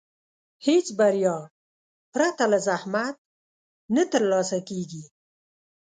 هېڅ بریا پرته له زحمت نه ترلاسه کېږي.